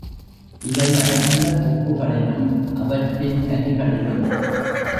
இலையடர்ந்த கொப்புகளிலும் அவற்றின் கனிகளிலும்